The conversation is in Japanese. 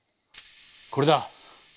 これだ！